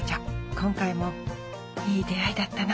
今回もいい出会いだったな